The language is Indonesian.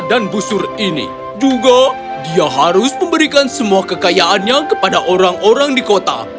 dia harus memberikan semua kekayaannya kepada orang orang di kota